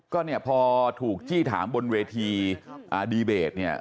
ก็เนี่ยพอถูกจี้ถามบนเวทีดีเบตเนี่ย